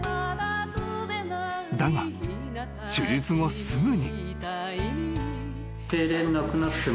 ［だが手術後すぐに］